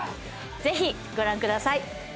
ぜひご覧ください。